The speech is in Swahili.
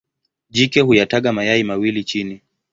Jike huyataga mayai mawili chini.